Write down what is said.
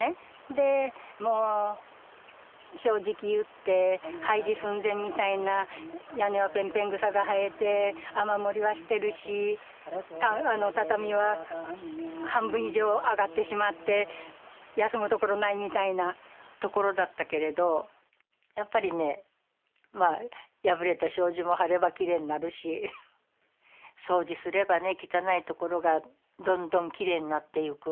でもう正直言って廃寺寸前みたいな屋根はペンペン草が生えて雨漏りはしてるし畳は半分以上あがってしまって休む所ないみたいな所だったけれどやっぱりねまあ破れた障子も張ればきれいになるし掃除すればね汚い所がどんどんきれいになっていく。